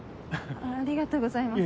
ありがとうございます。